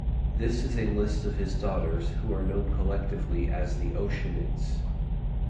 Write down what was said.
This is a list of his daughters, who are known collectively as the "Oceanids".